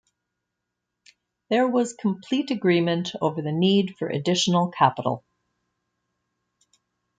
There was complete agreement over the need for additional capital.